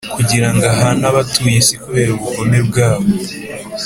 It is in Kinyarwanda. kugira ngo ahane abatuye isi kubera ubugome bwabo.